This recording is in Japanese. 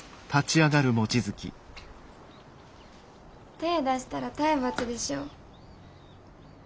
手出したら体罰でしょ。